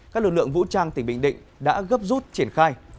các lực lượng vũ trang tỉnh bình định đã gấp rút triển khai